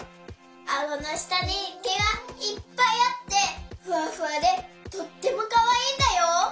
あごのしたにけがいっぱいあってふわふわでとってもかわいいんだよ。